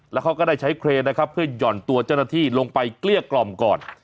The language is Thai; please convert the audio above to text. แล้วเขาก็ได้ใช้เครนนะครับเพื่อหย่อนตัวเจ้าหน้าที่ลงไปเกลี้ยกล่อมก่อน